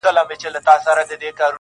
زه د یویشتم قرن ښکلا ته مخامخ یم,